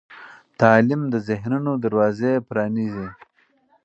تعلیم د ذهنونو دروازې پرانیزي.